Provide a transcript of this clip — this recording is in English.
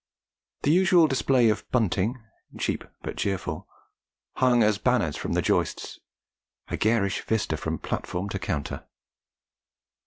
The usual display of bunting, cheap but cheerful, hung as banners from the joists, a garish vista from platform to counter.